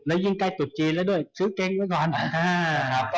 และยิ่งใกล้ตุดจีนแล้วด้วยซื้อเก๊งไปก่อนอ่าครับ